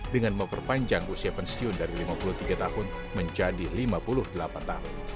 dengan memperpanjang usia pensiun dari lima puluh tiga tahun menjadi lima puluh delapan tahun